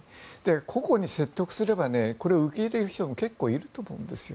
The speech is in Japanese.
個々に説得すればこれを受け入れる人も結構いると思うんですよ。